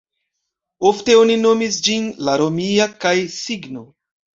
Ofte oni nomis ĝin la "romia" kaj-signo.